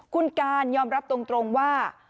คุณการยอมรับตรงว่า